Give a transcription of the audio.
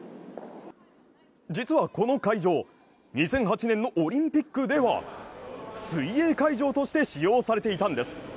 実は、この会場、２００８年のオリンピックでは水泳会場として使用されていたんです。